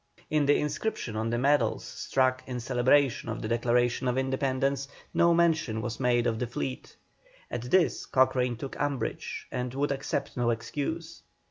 In the inscription on the medals struck in celebration of the Declaration of Independence, no mention was made of the fleet. At this Cochrane took umbrage and would accept no excuse.